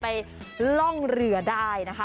ไปล่องเหลือได้นะคะ